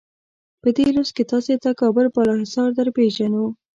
په دې لوست کې تاسې ته کابل بالا حصار درپېژنو.